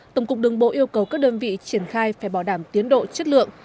tổng cục đường bộ yêu cầu các đơn vị triển khai phải bảo đảm tiến độ chất lượng